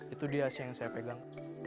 itu dia sih yang saya pegang